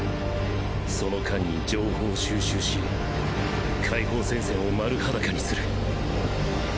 その間に情報を収拾し解放戦線を丸裸にする